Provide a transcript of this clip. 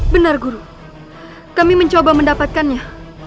benar guru kami mencoba mendapatkannya